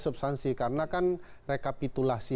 substansi karena kan rekapitulasi